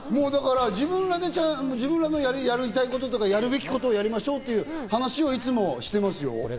自分らのやりたいこととか、やるべきことをやりましょうっていう話をいつもしてますよ。